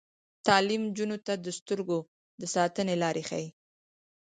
تعلیم نجونو ته د سترګو د ساتنې لارې ښيي.